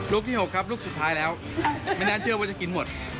ที่๖ครับลูกสุดท้ายแล้วไม่น่าเชื่อว่าจะกินหมด